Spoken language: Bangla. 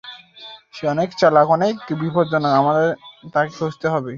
সে অনেক চালাক এবং অনেক বিপজ্জনক, আমাদের তাকে খুঁজতেই হবে।